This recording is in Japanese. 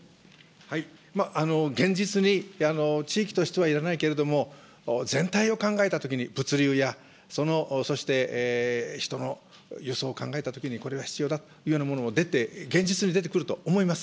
現実に、地域としてはいらないけれども、全体を考えたときに、物流や、そして人の輸送を考えたときに、これは必要だというようなものも出て、現実に出てくると思います。